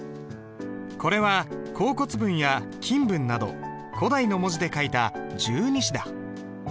これは甲骨文や金文など古代の文字で書いた十二支だ。